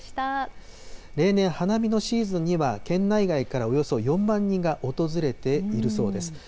例年、花見のシーズンには、県内外からおよそ４万人が訪れているそうです。